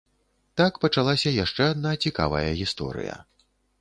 Так пачалася яшчэ адна цікавая гісторыя.